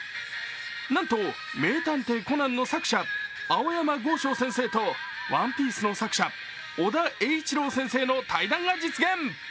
なんと、「名探偵コナン」の作者、青山剛昌先生と「ＯＮＥＰＩＥＣＥ」の作者・尾田栄一郎先生の対談が実現。